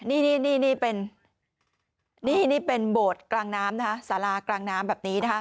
นี่เป็นนี่เป็นโบสถ์กลางน้ำนะคะสารากลางน้ำแบบนี้นะคะ